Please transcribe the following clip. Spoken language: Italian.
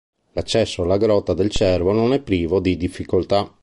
L'accesso alla grotta del cervo non è privo di difficoltà.